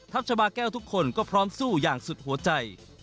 ชาบาแก้วทุกคนก็พร้อมสู้อย่างสุดหัวใจ